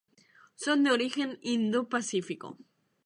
Son de origen Indo-Pacífico.